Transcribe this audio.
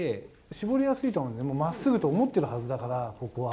絞りやすいと思う、まっすぐと思ってるはずだから、ここは。